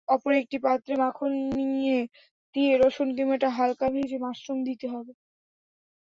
অপর একটি পাত্রে মাখন দিয়ে রসুন কিমাটা হালকা ভেজে মাশরুম দিতে হবে।